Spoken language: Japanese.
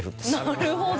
なるほど。